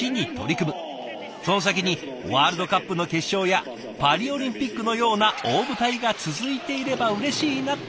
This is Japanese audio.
その先にワールドカップの決勝やパリオリンピックのような大舞台が続いていればうれしいな」って。